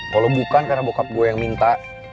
kalau bukan karena bokap gue yang minta